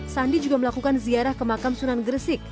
sandi juga melakukan ziarah ke makam sunan gresik